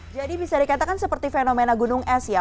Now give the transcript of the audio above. jadi bisa dikatakan seperti fenomena gunung es ya